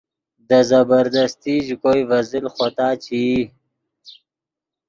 دے زبردستی ژے کوئے ڤے زل خوتا چے ای